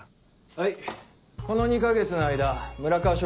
はいこの２か月の間村川署